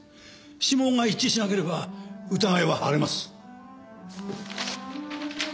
指紋が一致しなければ疑いは晴れます。